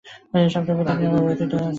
এই সপ্তাহে প্রতিদিনই আমার বক্তৃতা আছে।